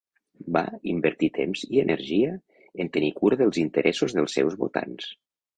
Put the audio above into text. Va invertir temps i energia en tenir cura dels interessos dels seus votants.